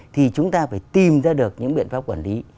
thì chúng ta phải tìm ra được những biện pháp quản lý